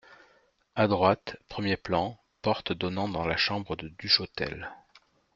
À droite, premier plan, porte donnant dans la chambre de Duchotel.